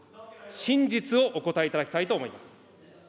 真実をお答えいただきたいと思います。